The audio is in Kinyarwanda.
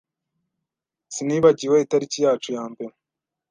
Sinibagiwe itariki yacu ya mbere.